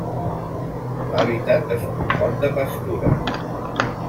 L'hàbitat es compon de pastures.